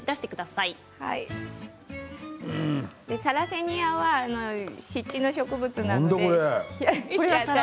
サラセニアは湿地の植物です。